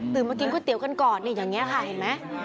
มากินก๋วยเตี๋ยวกันก่อนอย่างนี้ค่ะเห็นไหม